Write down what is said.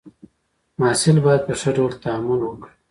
محصل باید په ښه ډول تعامل وکړي.